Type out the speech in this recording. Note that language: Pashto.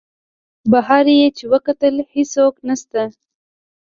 بهر یې چې وکتل هېڅوک نسته.